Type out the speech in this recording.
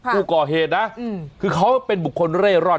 ผู้ก่อเหตุนะคือเขาเป็นบุคคลเร่ร่อน